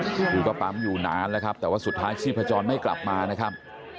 คือก็ปั๊มอยู่นานแล้วครับแต่ว่าสุดท้ายชีพจรไม่กลับมานะครับ